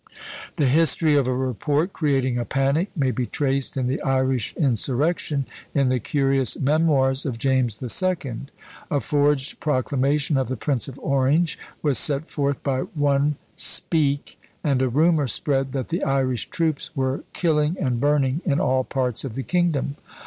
The history of a report creating a panic may be traced in the Irish insurrection, in the curious memoirs of James the Second. A forged proclamation of the Prince of Orange was set forth by one Speke, and a rumour spread that the Irish troops were killing and burning in all parts of the kingdom!